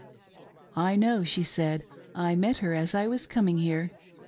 " I know," she said, " I met her as I was coming here.